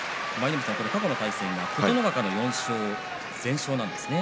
過去の対戦は琴ノ若の４勝で全勝なんですね。